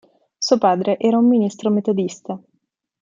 Suo padre era un ministro metodista.